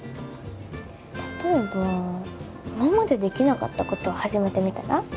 例えば今までできなかったこと始めてみたら？